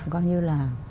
coi như là